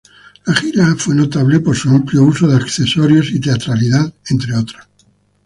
La gira fue notable por su amplio uso de accesorios y teatralidad entre otros.